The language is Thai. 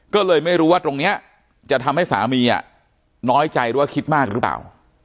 ก็เลยไม่รู้ว่าตรงนี้จะทำให้สามีน้อยใจหรือว่าคิดมากหรือเปล่า